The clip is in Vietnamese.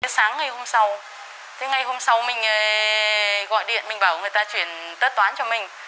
sáng ngày hôm sau thế ngày hôm sau mình gọi điện mình bảo người ta chuyển tất toán cho mình